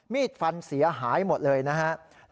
มีดฟันเสียหายหมดเลยนะครับ